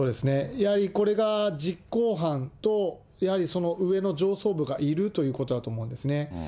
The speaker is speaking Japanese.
やはりこれが実行犯とやはり上の上層部がいるということだと思うんですね。